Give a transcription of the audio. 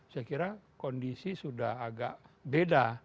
saya kira kondisi sudah agak beda